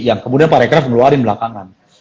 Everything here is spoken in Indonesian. yang kemudian pak rekraf ngeluarin belakangan